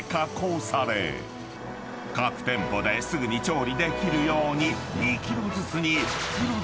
［各店舗ですぐに調理できるように］